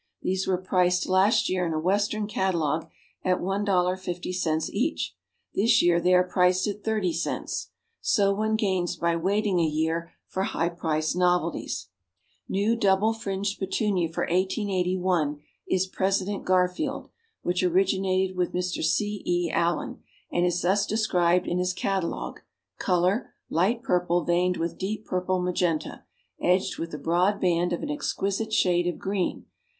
These were priced last year in a Western catalogue at $1.50 each; this year they are priced at 30 cents. So one gains by waiting a year for high priced novelties. New Double Fringed Petunia for 1881, is President Garfield, which originated with Mr. C. E. Allen, and is thus described in his catalogue: "Color, light purple veined with deep purple magenta, edged with a broad band of an exquisite shade of green.